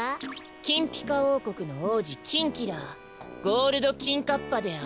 キンピカおうこくの王子キンキラゴールドキンカッパである！